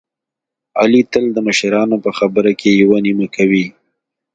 علي تل د مشرانو په خبره کې یوه نیمه کوي.